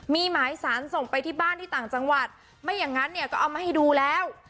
มีหมายสารส่งไปที่บ้านที่ต่างจังหวัดไม่อย่างนั้นเนี่ยก็เอามาให้ดูแล้ว